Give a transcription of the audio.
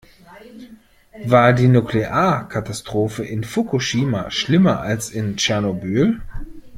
War die Nuklearkatastrophe in Fukushima schlimmer als in Tschernobyl?